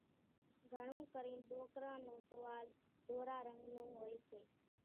گھڻون ڪرينَ ڏوڪران نون ٽووال ڌورا رنڳ نون هوئيَ سي۔